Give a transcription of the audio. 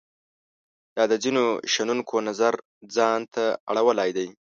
دا د ځینو شنونکو نظر ځان ته اړولای دی.